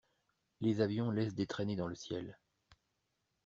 Les avions laissent des traînées dans le ciel.